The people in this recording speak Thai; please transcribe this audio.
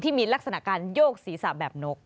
ที่มีลักษณะการโยกศีรษะแบบนก